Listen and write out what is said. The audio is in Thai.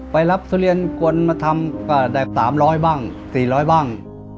ไปรับทุเรียนกวนมาทำแบบ๓๐๐บ้าง๔๐๐บ้าง